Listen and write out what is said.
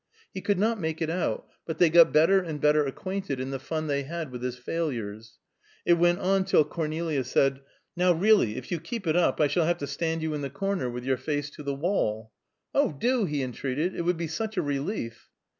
He could not make it out, but they got better and better acquainted in the fun they had with his failures. It went on till Cornelia said, "Now, really, if you keep it up, I shall have to stand you in the corner, with your face to the wall." "Oh, do!" he entreated. "It would be such a relief."